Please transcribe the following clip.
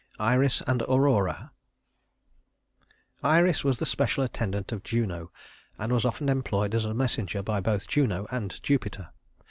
Iris and Aurora Iris was the special attendant of Juno, and was often employed as a messenger by both Juno and Jupiter.